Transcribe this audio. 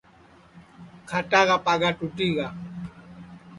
کھاٹا کا پاگا ٹُوٹی گا